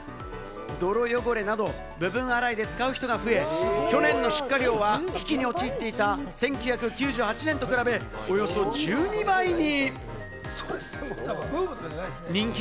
泥汚れなど部分洗いで使う人が増え、去年の出荷量は危機に陥っていた１９９８年と比べ、およそ１２倍に！